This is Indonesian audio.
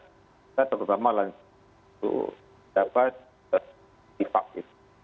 kita terutama lansia itu dapat dipaksa